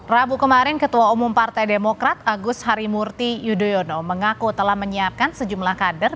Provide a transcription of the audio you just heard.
rabu kemarin ketua umum partai demokrat agus harimurti yudhoyono mengaku telah menyiapkan sejumlah kader